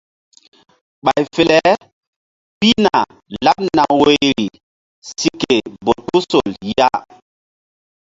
Ɓay fe le pihna laɓ woyri si ke bolkusol ya.